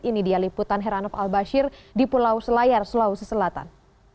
ini dia liputan heranov al bashir di pulau selayar sulawesi selatan